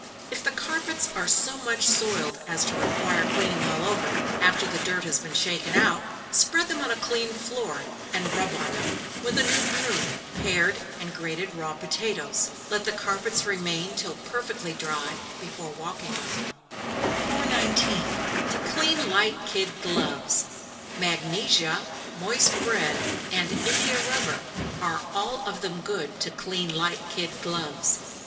If the carpets are so much soiled as to require cleaning all over, after the dirt has been shaken out, spread them on a clean floor, and rub on them, with a new broom, pared and grated raw potatoes. Let the carpets remain till perfectly dry, before walking on them. 419. To clean Light Kid Gloves. Magnesia, moist bread, and India rubber, are all of them good to clean light kid gloves.